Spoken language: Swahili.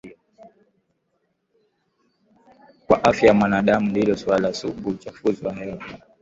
kwa afya ya wanadamu ndilo suala sugu uchafuzi wa hewa pia